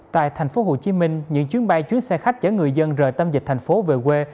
tại thành phố hồ chí minh những chuyến bay chuyến xe khách chở người dân rời tâm dịch thành phố về quê